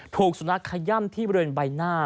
ถูกสุนัขขย่ำที่บริเวณใบหน้า